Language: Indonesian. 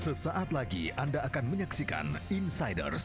sesaat lagi anda akan menyaksikan insiders